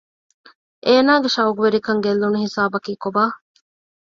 އޭނާގެ ޝައުޤުވެރިކަން ގެއްލުނު ހިސާބަކީ ކޮބާ؟